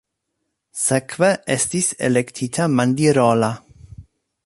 Sekve estis elektita Mandirola.